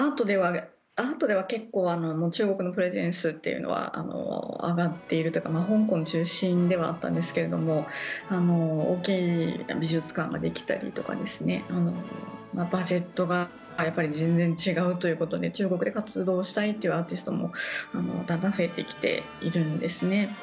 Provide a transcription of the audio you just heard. アートでは結構中国のプレゼンスというのは上がっているというか香港を中心ではあったんですけど大きい美術館ができたりとかバジェットが全然違うということで中国で活動したいというアーティストもだんだん増えてきているんですね。